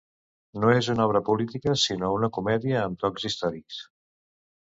No és una obra política, sinó una comèdia amb tocs històrics.